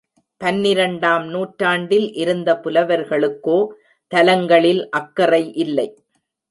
பன்னிரண்டாம் நூற்றாண்டில் இருந்த புலவர்களுக்கோ தலங்களில் அக்கறை இல்லை.